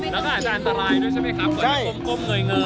แล้วก็อาจจะอันตรายด้วยใช่ไหมครับ